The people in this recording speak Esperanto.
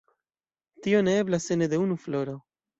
Tio ne eblas ene de unu floro.